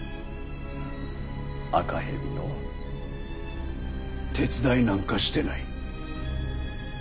赤蛇の手伝いなんかしてない。